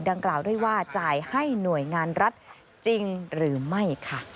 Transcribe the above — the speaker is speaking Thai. ดังกล่าวด้วยว่าจ่ายให้หน่วยงานรัฐจริงหรือไม่ค่ะ